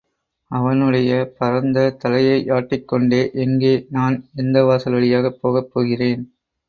அவனுடைய பரந்த தலையையாட்டிக் கொண்டே, எங்கே, நான் எந்த வாசல் வழியாகப் போகப் போகிறேன்.